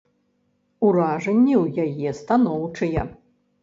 Уражанні ў яе станоўчыя.